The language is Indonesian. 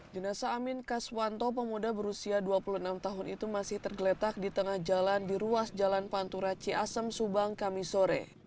jenasa amin kaswanto pemuda berusia dua puluh enam tahun itu masih tergeletak di tengah jalan di ruas jalan pantura ciasem subang kamisore